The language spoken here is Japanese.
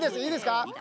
いいですか？